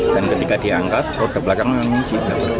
dan ketika diangkat roda belakangnya menguji